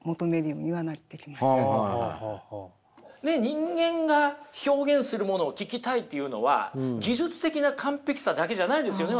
人間が表現するものを聴きたいというのは技術的な完璧さだけじゃないですよね。